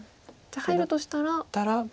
じゃあ入るとしたら。